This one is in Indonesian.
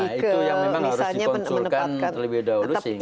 nah itu yang memang harus dikonsulkan terlebih dahulu